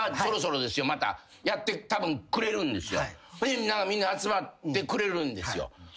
みんな集まってくれるんですよ。